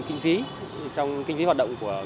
kinh phí trong kinh phí hoạt động của